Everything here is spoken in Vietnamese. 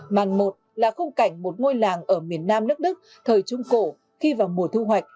màn một là khung cảnh một ngôi làng ở miền nam nước đức thời trung cổ khi vào mùa thu hoạch